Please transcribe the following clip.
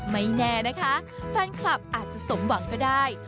ไม่แน่นะคะแฟนคลับอาจจะสมหวังก็ได้